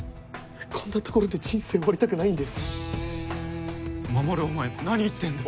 こんなところで人生終わりたくないんですマモルお前何言ってんだよ